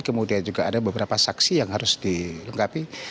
kemudian juga ada beberapa saksi yang harus dilengkapi